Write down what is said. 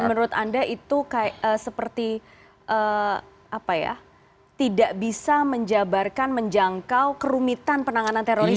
dan menurut anda itu seperti apa ya tidak bisa menjabarkan menjangkau kerumitan penanganan terorisme